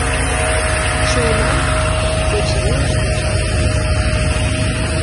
Шуына? — кече велыш ончалын йодо.